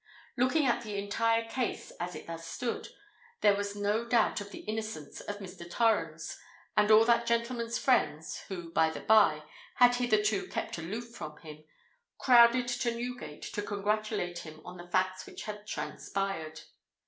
Looking at the entire case, as it thus stood, there was no doubt of the innocence of Mr. Torrens; and all that gentleman's friends—who, by the bye, had hitherto kept aloof from him—crowded to Newgate to congratulate him on the facts which had transpired.